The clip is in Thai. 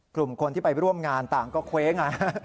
กลุ่มคนที่ไปร่วมงานต่างก็เคว้ง